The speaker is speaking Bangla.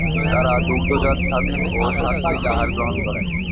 তাঁরা দুগ্ধজাত খাদ্য ও সাত্ত্বিক আহার গ্রহণ করেন।